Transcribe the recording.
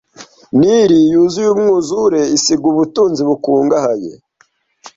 Nili yuzuye umwuzure isiga ubutunzi bukungahaye